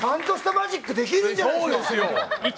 マジックできるじゃないですか。